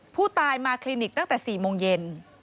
ผู้ตายมาคลินิกตั้งแต่๔โมงเย็น